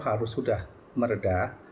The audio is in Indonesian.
harus sudah meredah